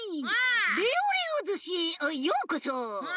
レオレオずしへあっようこそ！